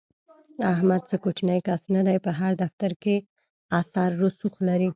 احمد څه کوچنی کس نه دی، په هر دفتر کې اثر رسوخ لري.